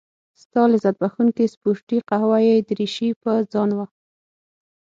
ستا لذت بخښونکې سپورتي قهوه يي دريشي په ځان وه.